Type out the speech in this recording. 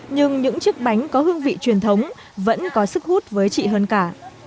nhưng những chiếc bánh có hương vị truyền thống vẫn có sức hút với chị hơn cả